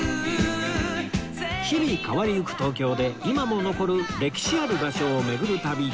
日々変わりゆく東京で今も残る歴史ある場所を巡る旅